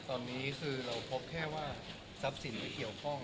ตอนนี้คือเราพบแค่ว่าทรัพย์สินไม่เกี่ยวข้อง